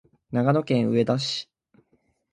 長野県上田市